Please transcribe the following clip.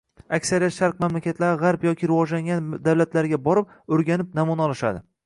aksariyat Sharq mamlakatlari Gʻarb yoki rivojlangan davlatlarga borib, oʻrganib, namuna olishadi.